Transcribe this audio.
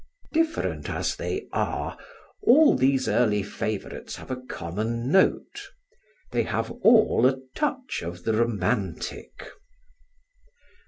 Different as they are, all these early favourites have a common note they have all a touch of the romantic.